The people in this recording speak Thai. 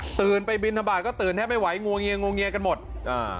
ตื่นไปบินทบาทก็ตื่นแทบไม่ไหวงวงเงียงวงเงียกันหมดอ่า